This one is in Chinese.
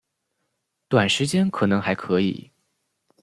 短时间可能还可以